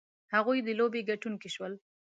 هغوی د لوبې ګټونکي شول.